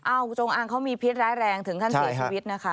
จงอางเขามีพิษร้ายแรงถึงขั้นเสียชีวิตนะคะ